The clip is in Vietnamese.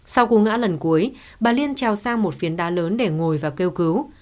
sau cú ngã lần cuối bà liên treo sang một phiến đá lớn để ngồi và kêu cứu